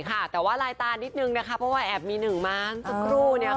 ค่ะแต่ว่าลายตานิดนึงนะคะเพราะว่าแอบมีหนึ่งม้านสักครู่เนี่ยค่ะ